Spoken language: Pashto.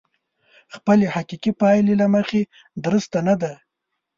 خپلې حقيقي پايلې له مخې درسته نه ده.